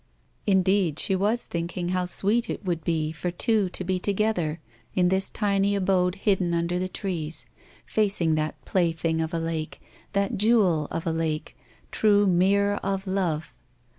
Indeed, she was thinking how sweet it would be for two to be together in this tiny abode hidden under the trees, facing that plaything of a lake, that jewel of a lake, true mirror of love!